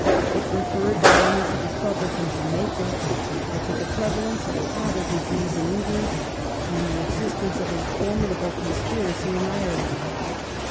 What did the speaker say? It referred not only to the troubles in Jamaica, but to the prevalence of cattle disease in England and the existence of a formidable conspiracy in Ireland.